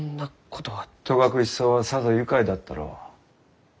戸隠草はさぞ愉快だったろう？